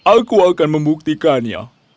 aku akan membuktikannya